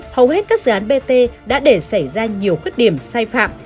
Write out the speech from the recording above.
hầu hết các dự án bt đã để xảy ra nhiều khuyết điểm sai phạm